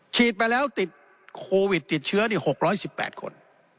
ไปแล้วติดโควิดติดเชื้อ๖๑๘คน